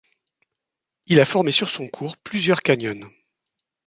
Il a formé sur son cours plusieurs canyons.